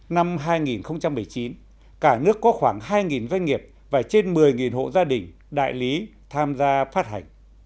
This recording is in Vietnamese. năm hai nghìn một mươi chín cả nước có khoảng hai doanh nghiệp và trên một mươi hộ gia đình đại lý tham gia phát hành